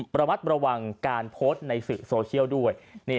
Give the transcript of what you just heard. ระมัดระวังการโพสต์ในสื่อโซเชียลด้วย